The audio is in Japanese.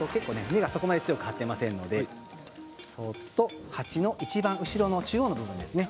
根が、そこまで強く張っていませんので鉢のいちばん後ろの中央の部分ですね。